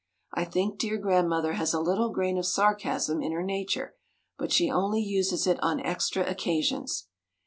I think dear Grandmother has a little grain of sarcasm in her nature, but she only uses it on extra occasions.